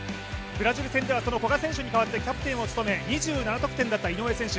ブラジル戦ではその古賀選手に代わってキャプテンを務め、２７得点だった井上選手